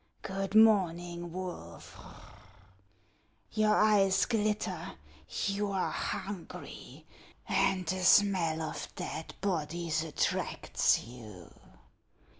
Good morning, wolf; your eyes glitter; you are hungry, and the smell of dead bodies attracts you.